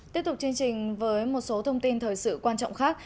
tiếp tục chương trình với một số thông tin thời sự quan trọng khác